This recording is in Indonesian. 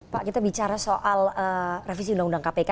pak kita bicara soal revisi undang undang kpk